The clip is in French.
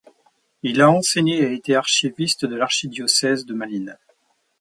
Il a enseigné et a été archiviste de l'archidiocèse de Malines.